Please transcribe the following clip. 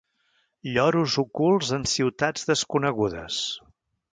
Lloros ocults en ciutats desconegudes.